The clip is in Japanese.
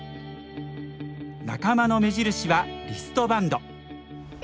仲間の目印はリストバンド。